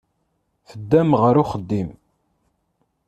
Teddam ɣer uxeddim.